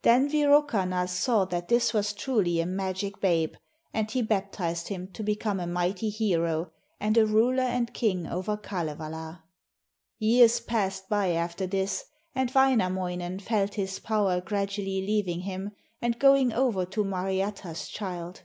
Then Wirokannas saw that this was truly a magic babe, and he baptized him to become a mighty hero, and a ruler and king over Kalevala. Years passed by after this, and Wainamoinen felt his power gradually leaving him and going over to Mariatta's child.